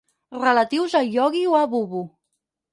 Relatius a Iogui o a Bubu.